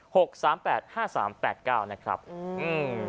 หกสามแปดห้าสามแปดเก้านะครับอืม